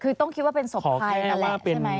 คุณคิดว่าเป็นศพภัยนั่นแหละใช่ไหม